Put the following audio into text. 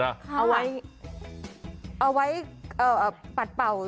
เอาไว้ปัดเป่า